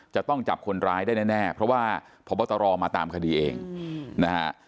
จะต้องจับคนร้ายได้แน่เพราะว่าพบตรมาตามคดีเองนะฮะ